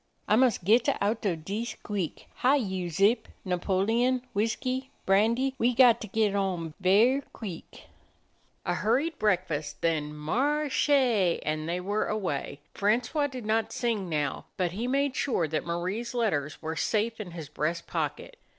"Ah mus' getta out of dees, queek. Hi, you Zip, Napoleon, Whiskee, Brandee, we gotta get on ver' queek." A hurried breakfast; then "Mar r che!" and they were away. Francois did not sing now, but he made sure that Marie's letters were safe 40 A DOG OF THE NORTHLAND in his breast pocket.